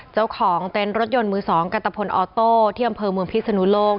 เจ้าของเต็นต์รถยนต์มือ๒กัตตะพลออโต้ที่อำเภอเมืองพิศนุโลก